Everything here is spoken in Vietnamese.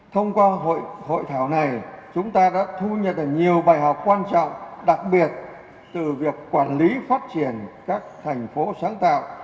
thông qua hội thảo này chúng ta đã thu nhận được nhiều bài học quan trọng đặc biệt từ việc quản lý phát triển các thành phố sáng tạo